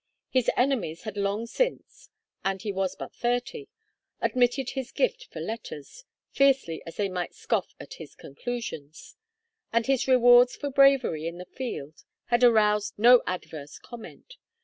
His enemies had long since and he was but thirty admitted his gift for letters, fiercely as they might scoff at his conclusions; and his rewards for bravery in the field had aroused no adverse comment.